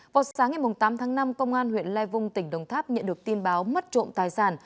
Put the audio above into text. vào sáng ngày tám tháng năm công an huyện lai vung tỉnh đồng tháp nhận được tin báo mất trộm tài sản